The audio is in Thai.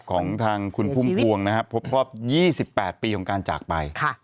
ของทางคุณพุ่มพวงนะครับครบรอบ๒๘ปีของการจากไป